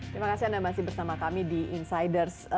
terima kasih anda masih bersama kami di insiders